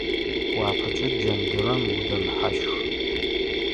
Уапэкӏэ джэндырэм удэмыхьащх.